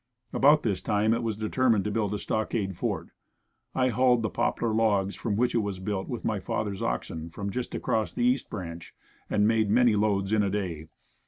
About this time it was determined to build a stockade fort. I hauled the poplar logs from which it was built with my father's oxen from just across the East Branch, and I made many loads in a day.